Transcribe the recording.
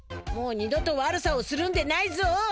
もう二度と悪さをするんでないぞ？